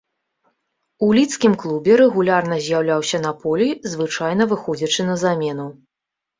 У лідскім клубе рэгулярна з'яўляўся на полі, звычайна выходзячы на замену.